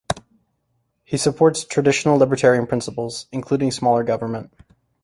He supports traditional libertarian principles, including smaller government.